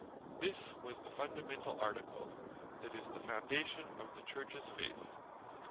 This was the fundamentall Article, that is the Foundation of the Churches Faith.